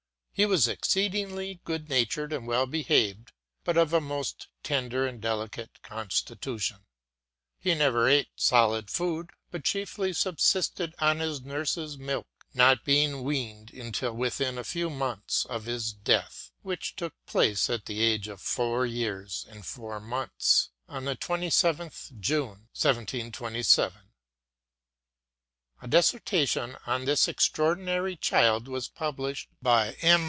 lie was exceed ingly goodnatured and well behaved, but of a most tender and delicate constitution. He never ate solid food, but chiefly subsisted on his nurses' milk, not being weaned until within a few mouths of his death, which took place at the age of four years and four months, on the 27th June, 1727. A dissertation on this extraordinary child was published by M.